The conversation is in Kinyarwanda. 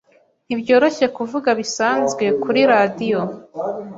Ntibyoroshye kuvuga bisanzwe kuri radio.